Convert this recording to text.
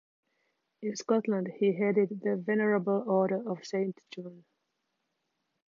In Scotland he headed the Venerable Order of Saint John.